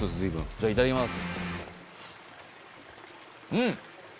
じゃあいただきます。